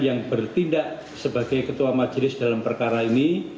yang bertindak sebagai ketua majelis dalam perkara ini